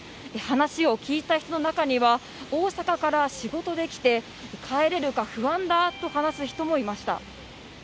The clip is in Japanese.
話を聞いた人の中には、大阪から仕事で来て帰れるか不安だと話す人もいました。